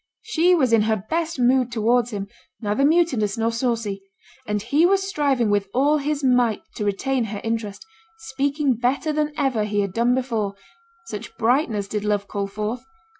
She was in her best mood towards him; neither mutinous nor saucy; and he was striving with all his might to retain her interest, speaking better than ever he had done before (such brightness did love call forth!)